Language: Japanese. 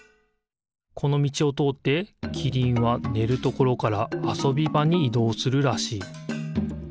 このみちをとおってキリンはねるところからあそびばにいどうするらしい。